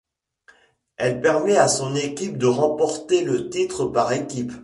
Elle permet à son équipe de remporter le titre par équipes.